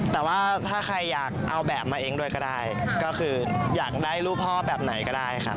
แต่ว่าถ้าใครอยากเอาแบบมาเองด้วยก็ได้ก็คืออยากได้รูปพ่อแบบไหนก็ได้ครับ